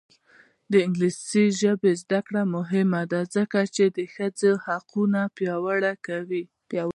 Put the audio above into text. د انګلیسي ژبې زده کړه مهمه ده ځکه چې ښځو حقونه پیاوړي کوي.